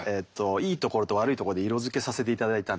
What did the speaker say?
いいところと悪いところで色づけさせていただいたんで。